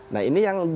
nah ini yang jatuh